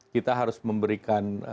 kita harus memberikan